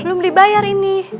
belum dibayar ini